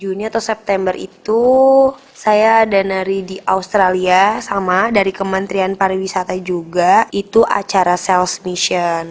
juni atau september itu saya ada nari di australia sama dari kementerian pariwisata juga itu acara sales mission